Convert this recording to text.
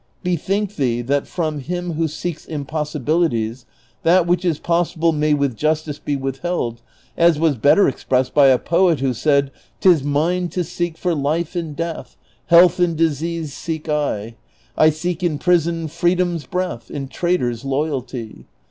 Bethink thee that from him who seeks impossibilities that which is possible may with justice be withheld, as was better expressed by a poet who said :' T is mine to seek for life in death, Health in disease seek I, I seek in prison freedom's breath, In traitors loyalty.